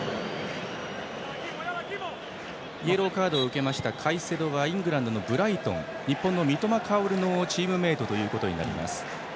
イエローカードを受けましたカイセドはイングランドのブライトンで日本の三笘薫のチームメートとなります。